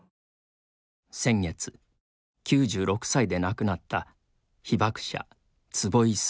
先月９６歳で亡くなった被爆者・坪井直さん。